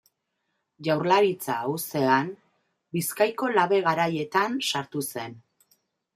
Jaurlaritza uztean, Bizkaiko Labe Garaietan sartu zen.